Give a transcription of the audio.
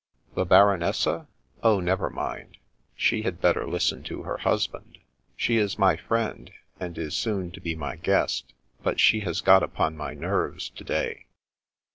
The Baronessa? Oh, never mind; she had better listen to her husband. She is my friend, and is soon to be my guest, but she has got upon my nerves to day."